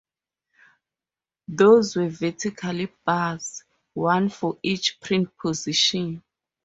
These were vertical bars, one for each print position.